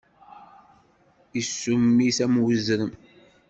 Isum-it, am uzrem.